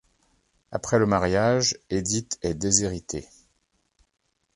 Après le mariage, Edith est déshéritée.